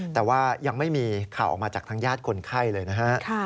แต่ว่ายังไม่มีข่าวออกมาจากทางญาติคนไข้เลยนะฮะ